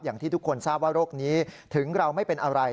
อย่างที่ทุกคนทราบว่าโรคนี้ถึงเราไม่เป็นอะไร